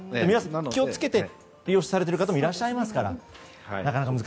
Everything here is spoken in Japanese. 気をつけて利用されている方もいらっしゃいますから。